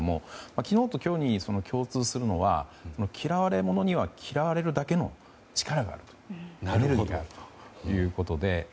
昨日と今日に共通するのは嫌われ者には嫌われるだけの力があるということで。